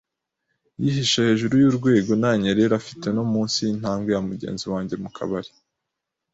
yihishe hejuru yurwego, nanyerera aft no munsi yintambwe ya mugenzi wanjye mu kabari.